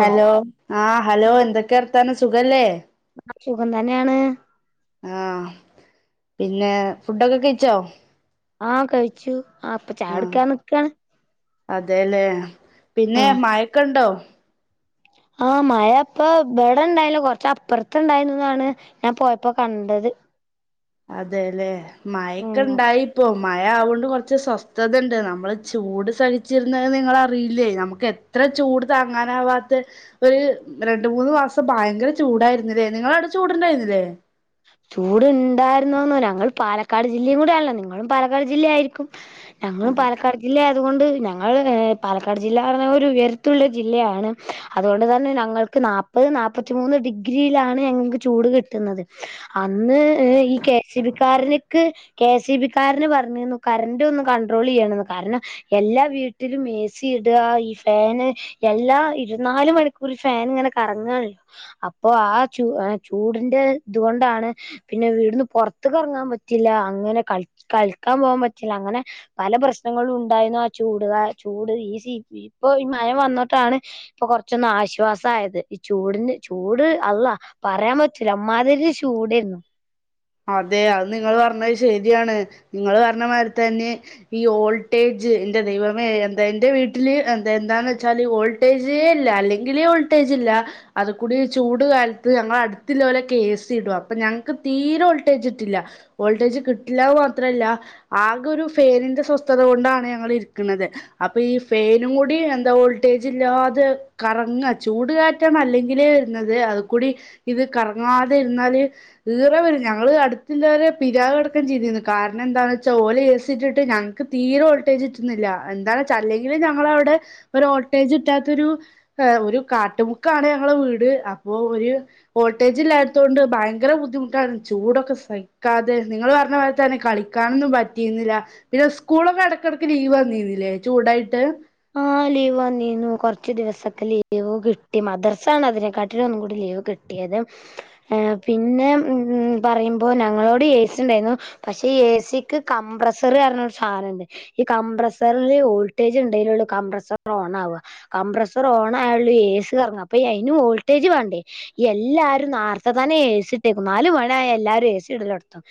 Hello ആഹ് hello എന്തൊക്കെ വർത്താനം സുഖല്ലേ ആഹ് സുഖം തന്നേണ് ആഹ് പിന്നെ ഫുഡൊക്കെ കഴിച്ചോ ആഹ് കഴിച്ചു ആഹ് ഇപ്പം ചായുട്ക്കാൻ നിക്കാണ് അതെല്ലേ പിന്നെ ആഹ് മഴക്കണ്ടോ ആഹ് മഴ ഇപ്പൊ ഇവടെ ഇണ്ടായില്ല കൊറച്ച് അപ്പറത്ത് ഇണ്ടായിന്ന്ന്നാണ് ഞാൻ പോയപ്പോ കണ്ടത് അതെല്ലെ ഉം മഴക്കെ ഇണ്ടായിപ്പോ മഴ ആവോണ്ട് കൊറച്ച് സ്വസ്ഥതണ്ട് നമ്മള് ചൂട് സഹിച്ചിരുന്നത് നിങ്ങള് അറിയില്ലേ നമ്മക്ക് എ ത്ര ചൂട് താങ്ങാനാവാത്തെ ഒര് രണ്ട് മൂന്ന് മാസം ഭയങ്കര ചൂടായിരിന്ന്ല്ലേ നിങ്ങളാടെ ചൂടുണ്ടാരുന്നില്ലേ ചൂട്ണ്ടായിരുന്നോന്നൊ ഞങ്ങൾ പാലക്കാട് ജില്ലേക്കൂടെ ആണല്ലോ നിങ്ങളും പാലക്കാട് ജില്ലയായിരിക്കും ഞങ്ങളും അതെ പാലക്കാട് ജില്ലായതുകൊണ്ട് ഞങ്ങൾ ഏഹ് പാലക്കാട് ജില്ലാ പറ്ഞ്ഞ ഒരു ഉയര ത്തുള്ള ജില്ലയാണ് അതുകൊണ്ട് തന്നെ ഞങ്ങൾക്ക് നാപ്പത് നാപ്പത്തിമൂന്ന് ഡിഗ്രിയിലാണ് ഞങ്ങക്ക് ചൂട് കിട്ട്ന്നത് അന്ന് ഏഹ് ഈ കെ എസ് ഇ ബി ക്കാരന്ക്ക് കെ സി ഇ ബിക്കാര്ന് പറഞ്ഞീര്ന്നു കറന്റ് ഒന്ന് കണ്ടട്രോളെയ്യണന്ന് കാരണം എല്ലാ വീട്ടിലും ഏ സി ഇടാ ഈ ഫേന് എല്ലാ ഇരുവത്ത്നാല് മണിക്കൂറും ഫേന് ഇങ്ങനെ കറങ്ങാണല്ലോ അപ്പൊ ആ ചൂ ഏഹ് ചൂട്ന്റെ ഇതുകൊണ്ടാണ് പിന്നെ വീട്ന്ന് പൊറത്ത്ക്കറങ്ങാൻ പറ്റില്ല അങ്ങനെ കള് കളിക്കാൻ പോവാൻ പറ്റില്ല അങ്ങനെ പല പ്രശ്നങ്ങളുണ്ടായിരുന്നു ആ ചൂട് കാ ചൂട് ഏ സി ഈ ഇപ്പൊ ഈ മഴ വന്ന്ട്ടാണ് ഇപ്പൊ കൊറച്ചൊന്ന് ആശ്വാസായത് ഈ ചൂടിന് ചൂട് അള്ളാ പറയാൻ പറ്റൂല്ല അ മ്മാതിരി ചൂടേര്ന്നു അതെ അത് നിങ്ങൾ പറ്ഞ്ഞെ ശരിയാണ് നിങ്ങൾ പറ്ഞ്ഞ മാതിരിതന്നെ ഈ വോൾട്ടേജ് എന്റെ ദൈവമേ എന്താ എന്റെ വീട്ടില് എന്താ എന്താന്ന് വെച്ചാല് വോൾ ട്ടേജേല്ല അല്ലെങ്കിലെ വോൾട്ടേജ്ല്ല അത് കൂടി ചൂട് കാലത്ത് ഞങ്ങള അടുത്ത് ഇല്ലോലക്ക എ സി ഇടും അപ്പൊ ഞങ്ങക്ക് തീ രെ വോൾട്ടേജ് കിട്ടില്ല വോൾട്ടേജ് കിട്ടില്ല അത് മാത്രല്ല ആകെ ഒരു ഫേനിന്റെ സ്വസ്ഥത കൊണ്ടാണ് ഞങ്ങള് ഇരിക്കണത് അപ്പൊ ഈ ഫേനും കൂടി എന്താ വോൾട്ടേജ് ഇല്ലാതെ കറങ്ങാ ചൂട് കാറ്റാണ് അല്ലെങ്കില് [unintelligible] അത് കൂടി ഇത് കറങ്ങാതെ ഇരുന്നാല് [unintelligible] ഞങ്ങള് അടുത്തുള്ളോരെ പിരാവ് അടക്കം ചെയ്തിരുന്നു കാരണം എന്താന്ന് വച്ചാ ഓല് എ സി ഇട്ടിട്ട് ഞങ്ങ് ക്ക് തീരെ ഓൾട്ടേജ് കിട്ടുന്നില്ല എന്താന്ന്‌ വച്ച അല്ലെങ്കില് ഞങ്ങള അവിടെ ഒരു ഓൾട്ടേജ് കിട്ടാത്തൊരു [unintelligible] ഒരു കാട്ടുമുക്കാണ് ഞങ്ങളെ വീട് അപ്പോ ഒര് വോൾട്ടേജ് ഇല്ലാത്തോണ്ട് ഭയങ്കര ബുദ്ധിമുട്ടാണ് ചൂടൊക്കെ സഹിക്കാതെ നിങ്ങള് പറഞ്ഞ മാതിരി തന്നെ കളിക്കാനൊന്നും പറ്റിയിരുന്നില്ല പിന്നെ ഇസ്കൂളൊക്കെ എടക്കെടക്ക് ലീവ് വന്നിരിന്നില്ലേ ചൂടായിട്ട് ആഹ് ലീവ് വന്നീരുന്നു കൊറച്ച് ദിവസക്കെ ലീവ് കിട്ടി മദ്റസ ആണ് അതിനെക്കാട്ടിലും ഒന്നും കൂടി ലീവ് കി ട്ടിയത് ഏഹ് പിന്നെ ഉം പറയുമ്പോ ഞങ്ങളവിടെ എ സി ഉണ്ടായിരുന്നു പക്ഷെ എ സി ക്ക് കംപ്രസ്സർ പറയണ ഒരു സാധനൊണ്ട് ഈ കംപ്രസറില് വോൾട്ടേജ് ഇൺ എടയിലുള്ള കംമ്പ്രസർ ഓണ് ആവുക കംപ്രസർ ഓൺ ആയെ ഒള്ളൂ എ സി കറങ്ങ അപ്പ ഈ അയിനും വോൾട്ടേജ് വേണ്ടേ എല്ലാരും നേർത്തെ തന്നെ എ സി ഇട്ടേക്കുന്ന് നാല് മണിയായാൽ എല്ലാരും എ സി ഇടല് നടത്തും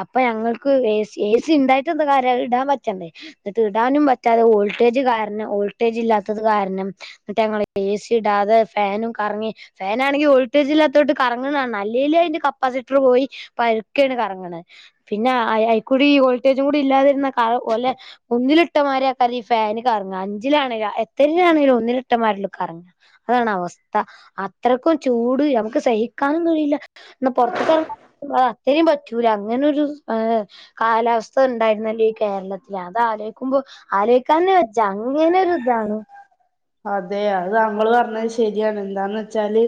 അപ്പൊ ഞങ്ങൾക്ക് എ സി എ സി ഇണ്ടായിട്ട് എന്താ കാര്യം അത് ഇടാൻ പറ്റണ്ടേ എന്നിട്ട് ഇടാനും പറ്റാതെ വോൾട്ടേജ് കാരണം വോൾട്ടേജ് ഇല്ലാത്തത് കാരണം എന്നിട്ട് ഞങ്ങള് എ സി ഇടാതെ ഫാനും കറങ്ങി ഫാനാണെങ്കിൽ വോൾട്ടേജ് ഇല്ലാത്തോണ്ട് കറങ്ങണ കാണണം അല്ലേലെ അതിന്റെ കപ്പാസിറ്ററ് പോയി പതുക്കേണ് കറങ്ങണെ പിന്നെ അയാ അയിക്കൂടി ഈ വോൾട്ടേജും കൂടി ഇല്ലാതിരുന്ന [unintelligible] ഓലേ ഒന്നിലിട്ട മായിരിയാ [unintelligible] ഫാന് കറങ്ങ അഞ്ചിലാണെങ്കില എത്രേല് ആണെങ്കിലും ഒന്നിലിട്ട മാരിലൊ കറങ്ങാ അതാണ് അവസ്ഥ അത്രക്കും ചൂട് നമുക്ക് സഹിക്കാനും കഴിയില്ല ഒന്ന് പൊറത്ത്ക്കെറ [unintelligible] അത് അത്രയും പറ്റൂല അങ്ങനൊരു സ് ആഹ് കാലാവസ്ഥ ഉണ്ടായിരുന്നല്ലേ ഈ കേരളത്തില് അത് ആലോയ്ക്കുമ്പോ ആലോയ് ക്കാന്ന് വെച്ചാ അങ്ങനെ ഒരിതാണ് അതെ അത് താങ്കള് പറഞ്ഞത് ശരിയാണ് എന്താന്ന് വെച്ചാല്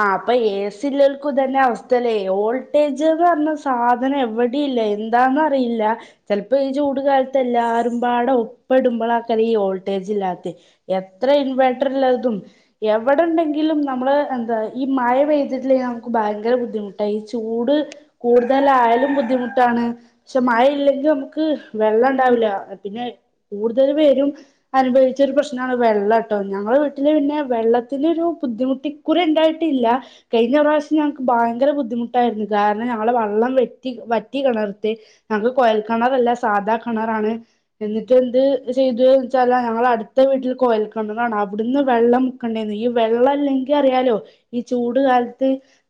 ആഹ് അപ്പൊ എ സി യുള്ളോർക്കും ഇതന്നെ അവസ്ഥല്ലേ വോൾട്ടേജ്ന്ന് പറഞ്ഞ സാധനം എവി ടേം ഇല്ല എന്താന്ന് അറിയില്ല ചെലപ്പോ ഈ ചൂട് കാലത്ത് എല്ലാരും പാടെ ഒപ്പം ഇടുമ്പൊള് ആക്കറീ ഈ വോൾട്ടേജ് ഇല്ലാത്തെ എത്ര ഇൻവേട്ടറ് ഇള്ളതും എവിടെ ഒണ്ടെങ്കിലും നമ്മള് എന്താ ഈ മഴ പെയ്തിട്ടില്ലെങ്കി നമുക്ക് ഭയങ്കര ബുദ്ധിമുട്ടാ ഈ ചൂട് കൂടുതലായാലും ബുദ്ധിമുട്ടാണ് ക്ഷെ മഴ ഇല്ലെങ്കി നമുക്ക് വെള്ളം ഉണ്ടാവില്ല പിന്നെ കൂടുതൽ പേരും അനുഭവിച്ചൊരു പ്രശ്നാണ് വെള്ളട്ടോ ഞങ്ങളെ വീട്ടില് പിന്നെ വെള്ളത്തിന് ഒരു ബുദ്ധിമുട്ട് ഇക്കുറി ഇണ്ടായിട്ടില്ല കഴിഞ്ഞ പ്രാവശ്യം ഞങ്ങക്ക് ഭയങ്കര ബുദ്ധിമുട്ടായിരുന്നു കാരണം ഞങ്ങളെ വള്ളം വറ്റി വറ്റി കെണറിത്തെ ഞങ്ങക്ക് കൊയൽ കെണറല്ലാ സാധാ കെണറാണ് എന്നിട്ട് എന്ത് ചെയ്തു വെച്ചാല് ഞങ്ങള് അടുത്ത വീട്ടില് കൊയൽ കെണറാണ് അവിടുന്ന് വെള്ളം മുക്കണ്ടേന്ന് ഈ വെള്ളം ഇല്ലെങ്കി അറിയാലോ ഈ ചൂട് കാലത്ത്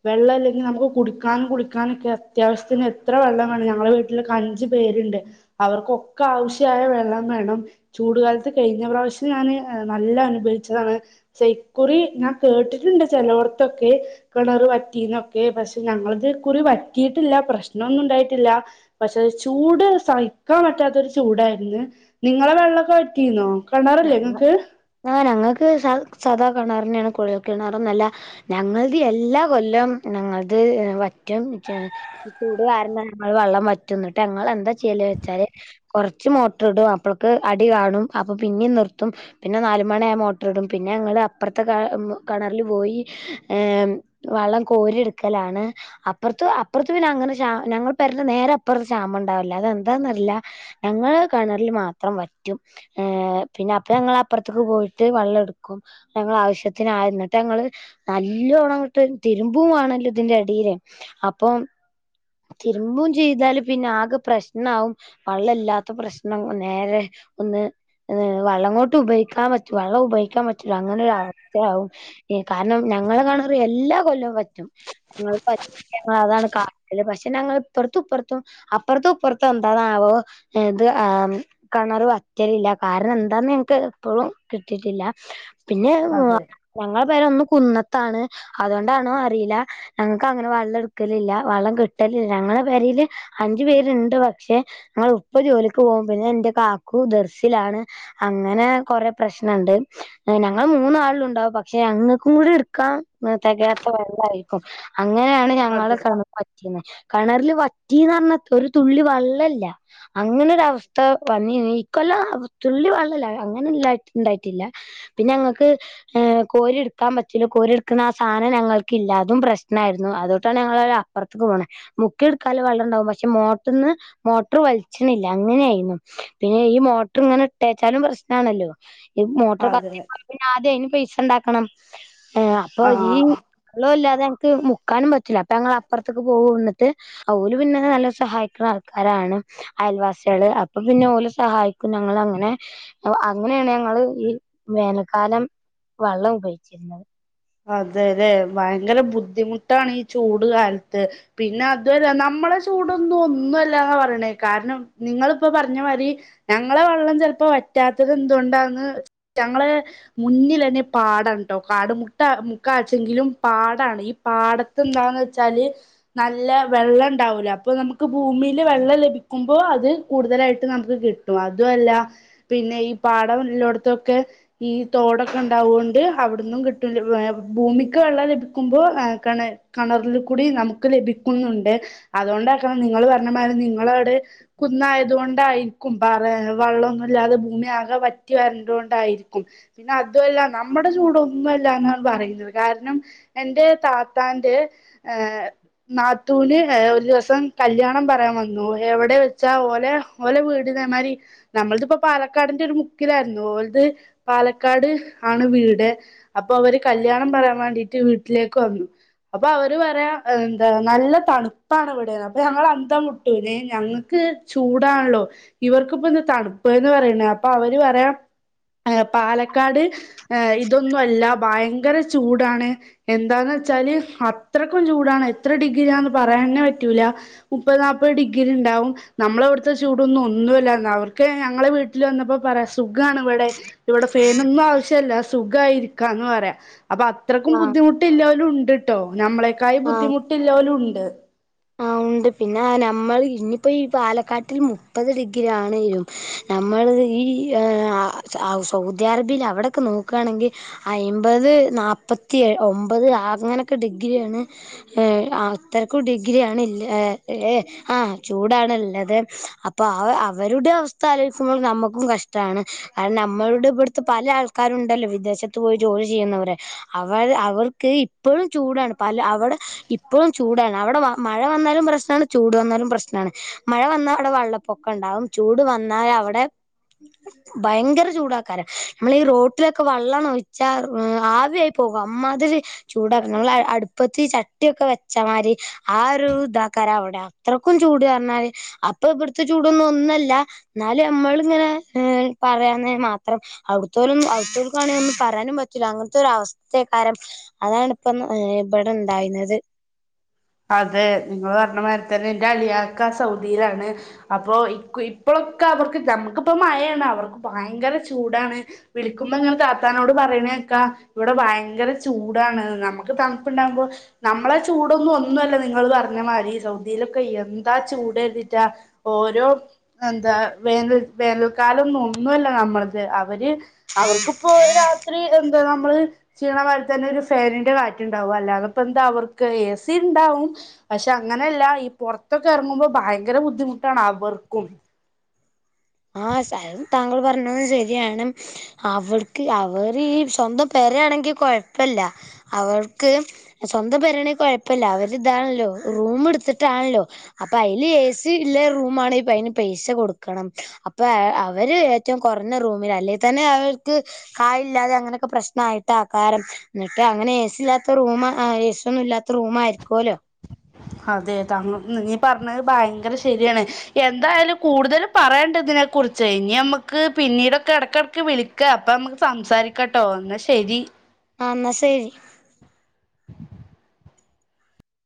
വെള്ളം ഇല്ലെങ്കി നമുക്ക് കുടിക്കാനും കുളിക്കാനൊക്കെ അത്യാവശ്യത്തിന് എത്ര വെള്ളം വേണം ഞങ്ങളെ വീ ട്ടിലക്ക അഞ്ചു പേര്ണ്ട് അവർക്കൊക്ക ആവശ്യായ വെള്ളം വേണം ചൂടു കാലത്ത് കഴിഞ്ഞ പ്രാവശ്യം ഞാന് ഏഹ് നല്ല അനുഭവിച്ചതാണ് ക്ഷേ ഇക്കുറി ഞാൻ കേട്ടിട്ടുണ്ട് ചെലവടത്തൊക്കെ കെണറ് വറ്റീന്നൊക്കെ പക്ഷെ ഞങ്ങളത് ഇക്കുറി വറ്റിയിട്ടില്ല പ്രശ്നമൊന്നും ഉണ്ടായിട്ടില്ല പക്ഷെ ചൂട് സഹിക്കാൻ പറ്റാത്തൊരു ചൂടായിരുന്നു നിങ്ങളെ വെള്ളമൊക്കെ വറ്റീന്നോ കിണറല്ലേ ഞങ്ങ ഇങ്ങക്ക് ആഹ് ഞങ്ങക്ക് സാ സാദാ കെണറന്നേണ് കുഴൽ കിണറോന്നൊല്ല. ഞങ്ങൾത് എല്ലാ കൊല്ലം ഞങ്ങൾത് വറ്റും. ഈ ചൂട് കാരണം ഞങളെ വ ള്ളം വറ്റും ന്നിട്ട് ഞങ്ങള് എന്താ ചിയ്യല് വെച്ചാല് കൊർച്ച് മോട്ട്ർടും അപ്പളക്ക് അടി കാണും അപ്പൊ പിന്നിം നിർത്തും. പിന്നെ നാല് മണ്യായ മോട്ടർടും പിന്നെ ഞങ്ങള് അപ്പർത്തെ കണർല് പോയി ഏ വള്ളം കോരിടക്കലാണ്. അപ്പർത്ത് അപ്പർത്ത് പിന്നെ അങ്ങനെ ഷാ ഞങ്ങളെ പേരെന്റെ നേരെ അപ്പർത്ത് ഷാമണ്ടാവൽല്ല അതെന്താന്നറില്ലാ. ഞങ്ങള് കെണർല് മാത്രം വറ്റും. പിന്നെ അപ്പ ഞങ്ങളപ്പർത്ത്ക്ക് പോയിട്ട് വള്ളട്ക്കും ഞങ്ങളെ ആവശ്യത്തിനായ ന്നിട്ട് ഞങ്ങള് നല്ലോണങ്ങ്ട്ട് തിരുമ്പും വാണല്ലോ തിന്റെ എടീല് അപ്പൊ തിരുമ്പും ചെയ്താല് പിന്നെ ആകെ പ്രശ്നവും. വള്ളല്ലാത്ത പ്രശ്നം നേരെ ഒന്ന് ഏ വള്ളംങ്ങോട്ട് ഉപയോഗിക്കാൻ പറ്റും വള്ളം ഉപയോഗിക്കാപറ്റൂല അങ്ങനോരഅവസ്ഥെയാകും. കാരണം ഞങ്ങളെ കണറ് എല്ലാ കൊല്ലൊം വറ്റും ഞങ്ങള് ആ അതാണ് കാട്ടല്. പക്ഷെ ഞങ്ങളെ പ്പ്ർത്തും പ്പ്ർത്തും അപ്പർത്തും പ്പ്ർത്തും എന്താന്നാവോ എത് ആം കെണറ് വറ്റലില്ല. കാരണം എന്താന്ന് ഞങ്ങക്ക് പ്പളും കിട്ടീട്ടില്ല പിന്നെ അതെ ഞങ്ങളെ പേര ഒന്ന് കുന്നത്താണ് അതൊണ്ടാണോ അറീല ഞങ്ക്ക് അങ്ങനെ വള്ളംട്ക്കലില്ല വള്ളം കിട്ടലില്ല ഞങ്ങളെ പെരീല് അഞ്ചു പേര്ണ്ട്. പക്ഷെ ഞങളെ ഉപ്പ ജോലിക്ക് പോകും പിന്നെ ന്റെ കാക്കു ദർ സിലാണ് അങ്ങനെ കൊറെ പ്രശ്നണ്ട്. ഞങ്ങൾ മൂന്നാളൊള്ളുണ്ടാവും പക്ഷെ ഞങ്ങക്കും കൂടി ട്ക്കാ തെകയാത്ത വെള്ളായിരിക്കും. അങ്ങനേണ് അതെ ഞങ്ങള് കി ണ വറ്റീന്ന് കണർല് വറ്റീന്നർഞ്ഞ ഒരു തുള്ളി വെള്ളല്ല. അങ്ങനൊരവസ്ഥ വന്നി നീ ക്കൊല്ലം തുള്ളി വളളല്ല. അങ്ങനെല്ലാണ്ടായിറ്റില്ല. പിന്നെ ഞങ്ങക്ക് അ് കോരിട്ക്കാം പറ്റില്ല കോരിട്ക്ക്ണ ആ സാധനം ഞങ്ങൾക്കില്ല. അതും പ്രശ്നായിരുന്നു അതോട്ടാണ് ഞങ്ങളൊര പ്പർത്ത്ക്ക് പോണേ. മുക്കിടുക്കാല്ല വള്ളണ്ടാവും പക്ഷെ മോട്ടർന്ന് മോട്ടർ വൽച്ച് ണില്ല അങ്ങനായിരുന്നു. പിന്ന ന്നെ ഈ മോട്ടർ ങ്ങനെ ട്ടേച്ചാലും പ്രശ്നാണല്ലോ. ഇമോട്ടർ അതെ കത്തി പിന്നെ ആദ്യ അയിന് പൈസണ്ടാക്കണം ് അപ്പൊ ഈ ആഹ് വെള്ളോല്ലാതെ ഞങ്ങ്ക്ക് മുക്കാനും പറ്റ റ്റി ല്ല അപ്പൊ ഞങളപ്പർത്ത്ക്ക് പോകുന്ന് ന്നിട്ട് ഓല് പിന്നെ നല്ലോം സഹായിക്ക്ണ ആൾക്കാരാണ് അയൽവാസ്യാള്. അപ്പൊ പിന്നെ ഓലെ സഹായിക്കും. ഞങ്ങള ങ്ങനെ അങ്ങനെയാണ് ഞങ്ങള് ഈ വേനൽക്കാലം വള്ളം ഉപയോച്ചിരുന്നത്. അതെലെ ഭയങ്കര ബുദ്ധിമുട്ടാണീചൂട് കാൽത്ത്. പിന്നെ അതൊല്ല നമ്മളെ ചൂടൊന്നും ഒന്നോല്ലാന്നാ പറേണേ കാരണം നിങ്ങളിപ്പോ പറഞ്ഞമാതിരി ഞങ്ങളെ വള്ളം ചെൽപ്പോ വറ്റാത്തതെന്തൊണ്ടാന്ന് ഞങ്ങള് മുന്നിലന്നെ പാടൺട്ടോ കാടു മു [unintelligible] ക്കാച്ചെങ്കിലും പാടാണ ഈ പാടത്ത് എന്താന്ന് വെച്ചാല് നല്ല വെള്ളം ഒണ്ടാവൂല്ലൊ അപ്പൊ നമ്മക്ക് ഭൂമീല് വെള്ളം ലഭിക്ക്മ്പോ അത് കൂടുതലായിട്ട് നമ്മക്ക് കിട്ട് ട്ടും അത്വോല്ലാ. പിന്നെ ഈ പാടല്ലോട്ത്തൊക്കെ ഈ തോടൊക്കെണ്ടാവോണ്ട് അവടന്നും കിട് അത്പോലെ ഭൂമിക്ക് വെള്ളം ലഭിക്ക്മ്പോ ആക്ക്ണ് കെണറല്ല് കൂടി നമ്മക്ക് ലഭിക്കുന്നുണ്ട് അതൊ ണ്ടാക്കാണം നിങ്ങള് പറഞ്ഞാ മാരി നിങ്ങളോട് കുന്നായത് കൊണ്ടായി ക്കും പാറേ വെള്ളൊന്നല്ലാതെ ഭൂമി ആകെ വറ്റി വരണ്ടോയിരിക്കും പിന്നെ അതൊല്ലാ നമ്മടെ ചൂടേന്നും അ എന്നാണ് പറയുന്നു കാരണം എന്റെ താത്താന്റെ ് നാത്തൂന് ഒര് ദിവസം കല്യാണം പറയാ വന്നു. എവടെ വെച്ചാ ഓലേ ഒലേ വിട് ഇതേ മാരി ഞമ്മള് ഇത് ഇപ്പോ പാലക്കാടിന്റെ ഒര് മുക്കിലാരുന്നു ഒലത് പാലക്കാട് ആണ് വീട് അപ്പൊ അവര് കല്യാണം പറയാൻ വേണ്ടിട്ട് വീട്ടിലേക്ക് വന്നു അപ്പൊ അവര് പറയാ എന്താ നല്ല തണുപ്പാണ് ഇവടെന്ന് അപ്പൊ ഞങ്ങള് അന്തം വി ട്ടും ഞങ്ങക്ക് ചൂടാണല്ലോ ഇവർക്ക് ഇപ്പേ എന്ന് തണുപ്പ് എന്ന് പറയ്ന്നേ അപ്പൊ അവര് പറയാ യെ പാലക്കാട് യെ ഇതൊന്നും അല്ലാ ബയങ്കര ചൂടാണ് എന്താന്ന് വെച്ചാല് അത്രക്കും ചൂടാണ് എത്ര ഡിഗ്രിയാന്ന് പറയാന്നേ പറ്റൂല്ലാ മുപ്പത് നാപ്പാത് ഡിഗ്രി ഇണ്ടാവും നമ്മളേ അവട്ത്തെ ചൂടൊന്നും ഒന്നും അല്ലാ അവർക്ക് ഞങ്ങളെ വീട്ട ല് വന്നപ്പോ പറയാ സുഖാണ് ഇവടെ ഇവടെ ഫേനൊന്നും ആവിശ്യല്ലാ സുഖമായിരിക്ക്യാന്ന് പറയാം അപ്പം അത്രയ്ക്കും ആഹ് ബുദ്ധിമു ട്ട് ഇല്ലലും ഒണ്ടട്ടോ ഞമ്മളെക്കായി ബുദ്ധിമുട്ടില്ലലും ഒണ്ട് ണ്ട് പിന്നെ ഞമ്മള് ഇനിയിപ്പോ ഈ പാലക്കാട്ടില് മുപ്പത് ഡിഗ്രി ആണേല്ലോ ഞമ്മള് ഈ ആഹ് സൗദി അറേബ്യയില് അവടെയൊക്കെ നോക്ക്യകയാണെങ്കി അയമ്പത് നാല്പ്പത്തിഏ ഒമ്പത് അങ്ങനൊക്കെ ഡിഗ്രി ആണ് യെ അത്രക്കും ഡിഗ്രി ആണ് യെ ആഹ് ചൂടാണ് ഇല്ലത് അപ്പൊ അവ അവരടെ അവസ്ഥ ആലോചിക്ക്മ്പോ ഞമ്മാക്കും കഷ് ടാണ് കാരണം ഞമ്മടെ ഇവട്ത്തെ പല ആക്കാരും ഇണ്ടല്ലോ വിദേശത്ത് പോയി ജോലി ചെയ്യ്ന്നാവര് അവര് അവർക്ക് ഇപ്പോഴും ചൂടാണ് പല അവടെ ഇപ്പോഴും ചൂടാണ് അവടെ മഴ വന്നാലും പ്രശ്നാണ് ചൂട് വന്നാലും പ്രശ്നമാണ് മഴ വന്നാ അവടെ വെള്ളപ്പൊക്കം ഒണ്ടാവും ചൂട് വന്നാല് അവടെ [unintelligible] ഭയങ്കര ചൂടാക്കാരേ ഞമ്മള് ഈ റോട്ടിലൊക്കെ വെള്ളം അണ്ട് ഒഴിച്ചാ അവി ആയി പോകും അമ്മാതിരി [unintelligible] പ്പാത്തി ചട്ടിയൊക്കെ വെച്ചാമാതിരി ആഹ് ഒര് ഇതാക്കാരാ അവടെ അത്രയ്ക്കും ചൂട് പറഞ്ഞാൽ അപ്പം ഇവടത്തെ ചൂടൊന്നും ഒന്നും അല്ല എന്നാല് നമ്മള് ഇങ്ങനെ യെ പറയാനേ മാത്രം അവിടെത്തോളും അവിടെതോൽക്കാണെങ്കിൽ ഒന്നും പറയാനും പറ്റൂല അങ്ങനെത്തെ ഒരു അവസ്ഥയെകാരം അതാണ് ഇപ്പം ഇവടെ ഇണ്ടായിന്നത് അതെ നിങ്ങൾള്പറഞ്ഞാ മാരിതന്നെ എന്റെ അലിയാക്കാ സൗദിലാണ് അപ്പൊ ഇ ഇപ്പോളോക്കെ അവക്ക് നമ്മക്ക് ഇപ്പോ മഴയാണ് അവർക്ക് ഭയങ്കര ചൂടാണ് വിളിക്കുമ്പോ ഇങ്ങനെ താത്താനോട് പറയണേ കേക്കാം ഇവടെ ഭയങ്കര ചൂടാണ് ഞമ്മക്ക് തണ്പ്പ് ഇണ്ടാവ്മ്പോ നമ്മളെ ചൂടൊന്നും ഒ നിങ്ങള് പറഞ്ഞാ മാരി സൗദിയിലൊക്കെ എന്താ ചൂട് കരുതിട്ട ഓരോ എന്താ വേനൽ വേനൽക്കാലം ഒന്നും ഒന്നു അല്ല നമ്മളത് അവര് അവർക്ക് ഇപ്പോ രാത്രി എന്താ ഞമ്മള് ചെയ്യാണ മാതിരി തന്നെ ഒര് ഫനിന്റെ കാറ്റ് ഇണ്ടാവും അല്ലാതെ ഇപ്പേ എന്താ അവർക്ക് എ ത് ഇണ്ടാവും പക്ഷെ അങ്ങനെയാല്ല ഈ പൊറത്തൊക്കെ എറങ്ങ്മ്പോ ഭയങ്കര ബുദ്ധിമുട്ടാണ് അവർക്കും ആഹ് താങ്കള് പറഞ്ഞതു ശെരിയാണ് അവർക്ക് അവര് ഈ സ്വന്തം പേരയാണെങ്കി കൊഴപ്പില്ല്യാ അവർക്ക് സ്വന്തം പേരണങ്കിൽ കൊഴപ്പില്ല അവരിതാണല്ലോ റൂം എടുത്തിട്ടാണല്ലോ അപ്പൊ അയില് എ സി ഇല്ല റൂ ആന്നെങ്കിൽ ഇപ്പ അതിന് പൈസ കൊടുക്കണം അപ്പൊ അവര് ഏറ്റവും കുറഞ്ഞ റൂമിൽ അല്ലെ തന്നെ അവർക്ക് കായല്ലാതെ അങ്ങനെയൊക്കെ പ്രശ്നമായിട്ടാ ആ കാരം എന്നിട്ട് അങ്ങനെ എ സി ഇല്ലാത്ത റൂം എ സിയ ഒന്നും ഇല്ലാത്ത റൂം ആയിരിക്കുമല്ലോ അതെ താങ്ക നീ പറഞ്ഞത് ഭയങ്കര ശരിയാണ് എന്തായാലും കൂടുതൽ പറയണ്ടതിനെ കുറിച്ച് ഇനി നമക്ക് പിന്നീടൊക്കെ ഇടക്കിടക്ക് വിളി അപ്പൊ നമുക്ക് സംസാരിക്കട്ടോ എന്നാൽ ശരി ആ എന്നാ ശരി [unintelligible]